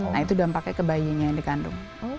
nah itu dampaknya ke bayinya yang dikandung